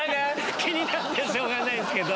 気になってしょうがないんですけど。